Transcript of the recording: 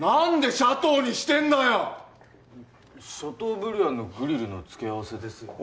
シャトーブリアンのグリルの付け合わせですよね